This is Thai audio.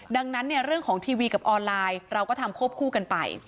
ดังนั้นเนี่ยเรื่องของทีวีกับออนไลน์เราก็ทำควบคู่กันไป